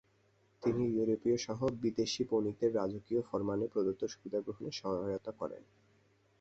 তিনি ইউরোপীয়সহ বিদেশি বণিকদের রাজকীয় ফরমানে প্রদত্ত সুবিধা গ্রহণে সহায়তা করেন।